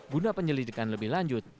bunda penyelidikan lebih lanjut